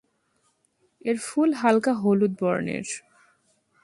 এর ফুল হালকা হলুদ বর্ণের।